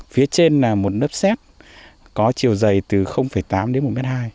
phía trên là một lớp xét có chiều dày từ tám đến một hai m